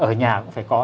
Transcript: ở nhà cũng phải có